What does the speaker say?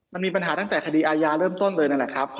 มันมีปัญหาตั้งแต่คดีอาญาเริ่มต้นเลยนั่นแหละครับ